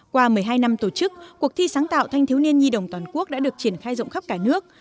qua một mươi hai năm tổ chức cuộc thi sáng tạo thanh thiếu niên nhi đồng toàn quốc đã được triển khai rộng khắp cả nước